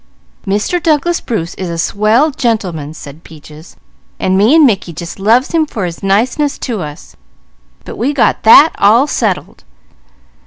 "Mr. Douglas Bruce is a swell gentl'man," said Peaches, "and me and Mickey just loves him for his niceness to us; but we got that all settled.